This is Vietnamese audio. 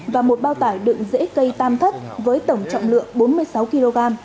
và một bao tải đựng dễ cây tam thất với tổng trọng lượng bốn mươi sáu kg